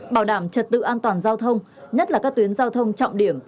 bảo đảm trật tự an toàn giao thông nhất là các tuyến giao thông trọng điểm